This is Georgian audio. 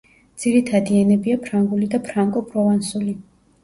ძირითადი ენებია ფრანგული და ფრანკო-პროვანსული.